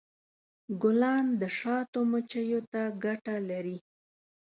ګلان د شاتو مچیو ته ګټه لري.